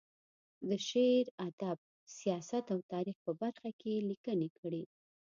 د شعر، ادب، سیاست او تاریخ په برخه کې یې لیکنې کړې.